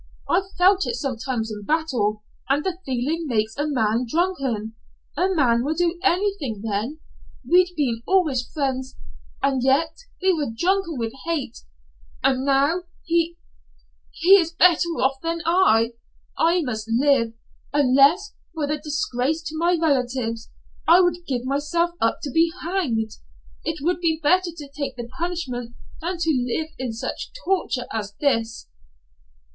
I've felt it sometimes in battle, and the feeling makes a man drunken. A man will do anything then. We'd been always friends and yet we were drunken with hate; and now he he is better off than I. I must live. Unless for the disgrace to my relatives, I would give myself up to be hanged. It would be better to take the punishment than to live in such torture as this."